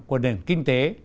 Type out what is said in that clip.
của nền kinh tế